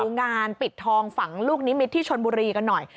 งานปิดทองฝังลูกนิมิตที่ชนบุรีกันหน่อย